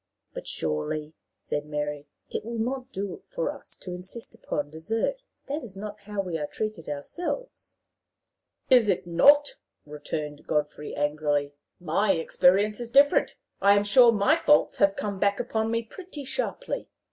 "But, surely," said Mary, "it will not do for us to insist upon desert. That is not how we are treated ourselves." "Is it not?" returned Godfrey, angrily. "My experience is different. I am sure my faults have come back upon me pretty sharply.